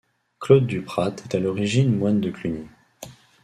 Claude Duprat est à l'origine moine de Cluny.